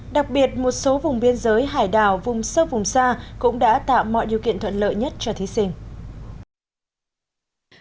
đặc biệt một số vùng biên giới hải đảo vùng sâu vùng xa cũng đã tạo mọi điều kiện thuận lợi nhất cho thí sinh